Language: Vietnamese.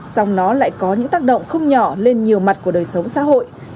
song nó lại có những tác động không nhỏ lên nhiều mặt của đời sống xã hội